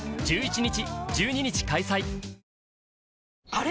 あれ？